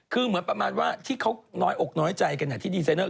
คือเหมือนประมาณว่าที่เขาน้อยอกน้อยใจกันที่ดีไซเนอร์